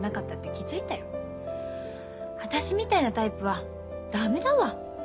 私みたいなタイプは駄目だわ。